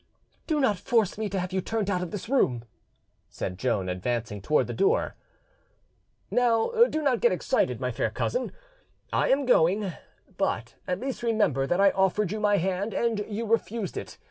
"Do not force me to have you turned out of this room," said Joan, advancing towards the door. "Now do not get excited, my fair cousin; I am going: but at least remember that I offered you my hand and you refused it.